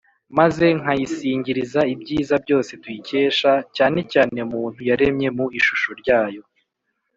maze nkayisingiriza ibyiza byose tuyikesha, cyane cyane muntu yaremye mu ishusho ryaYo.